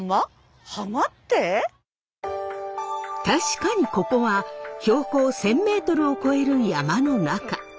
確かにここは標高１，０００メートルを超える山の中。